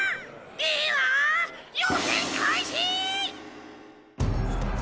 では予選開始！